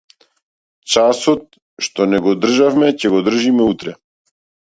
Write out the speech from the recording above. Часот што не го одржавме ќе го одржиме утре.